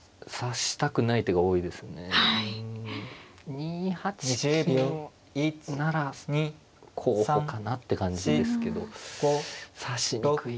２八金なら候補かなって感じですけど指しにくい。